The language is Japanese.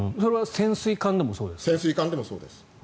潜水艦でもそうです。